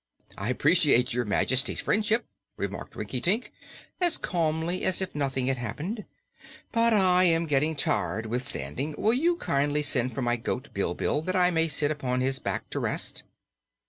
"I appreciate Your Majesty's friendship," remarked Rinkitink, as calmly as if nothing had happened, "but I am getting tired with standing. Will you kindly send for my goat, Bilbil, that I may sit upon his back to rest?"